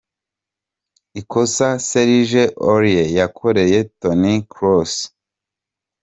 Ikosa Serge Aurier yakoreye Toni Kroos.